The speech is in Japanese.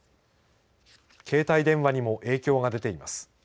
携帯電話にも影響が出ています。